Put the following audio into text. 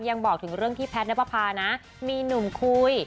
บอกถึงเรื่องที่แพทย์นับประพานะมีหนุ่มคุย